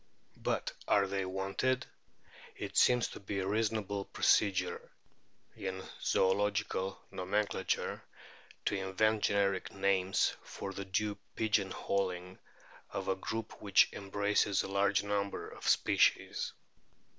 But are they wanted? It seems to be a reason able procedure in zoological nomenclature to invent generic names for the clue pigeon holing of a group which embraces a large number of species.